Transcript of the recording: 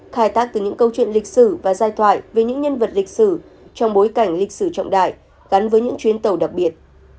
khai tác từ những câu chuyện lịch sử và giai thoại về những nhân vật lịch sử trong bối cảnh lịch sử trọng đại gắn với những chuyến tàu đặc biệt